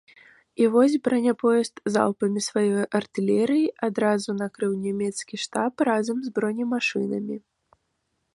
І вось браняпоезд залпамі сваёй артылерыі адразу накрыў нямецкі штаб разам з бронемашынамі.